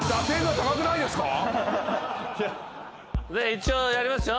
一応やりますよ。